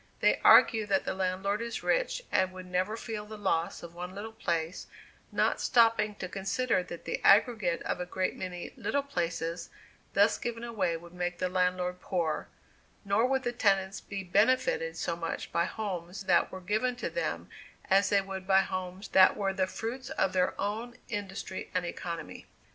They argue that the landlord is rich and would never feel the loss of one little place, not stopping to consider that the aggregate of a great many "little places" thus given away would make the landlord poor, nor would the tenants be benefited so much by homes that were given to them as they would by homes that were the fruits of their own industry and economy.